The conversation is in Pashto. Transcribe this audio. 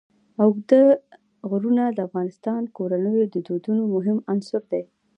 اوږده غرونه د افغان کورنیو د دودونو مهم عنصر دی.